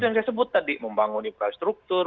yang saya sebut tadi membangun infrastruktur